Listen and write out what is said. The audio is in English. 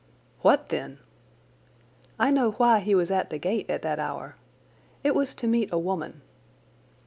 "What then?" "I know why he was at the gate at that hour. It was to meet a woman."